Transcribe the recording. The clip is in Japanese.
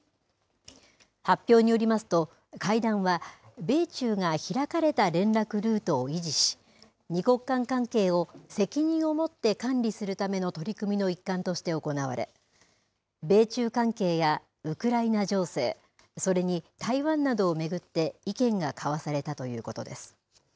発表によりますと、会談は米中が開かれた連絡ルートを維持し、２国間関係を責任を持って管理するための取り組みの一環として行われ、米中関係やウクライナ情勢、それに台湾などを巡って意見が交わされたということです。